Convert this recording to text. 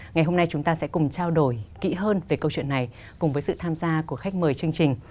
ngày hôm nay chúng ta sẽ cùng trao đổi kỹ hơn về câu chuyện này cùng với sự tham gia của khách mời chương trình